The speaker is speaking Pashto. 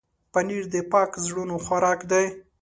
پنېر د پاک زړونو خوراک دی.